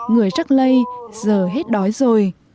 người trắc lây giờ hết đói rồi